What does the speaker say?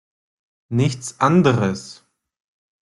Nichts anderes!